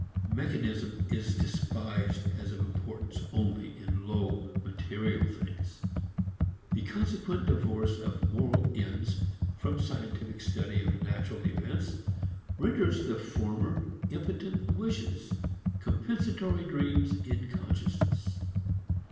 Mechanism is despised as of importance only in low material things. The consequent divorce of moral ends from scientific study of natural events renders the former impotent wishes, compensatory dreams in consciousness.